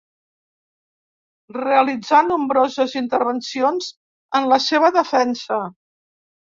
Realitzà nombroses intervencions en la seva defensa.